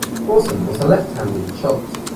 Corson was a left handed shot.